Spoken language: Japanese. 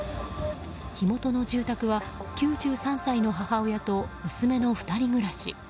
火元の住宅は９３歳の母親と娘の２人暮らし。